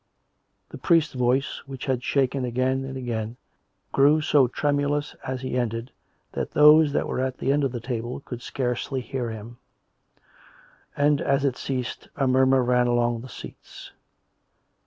" The priest's voice, which had shaken again and again, grew so tremulous as he ended that those that were at the end of the hall could scarcely hear him; and, as it ceased, a murmur ran along the seats.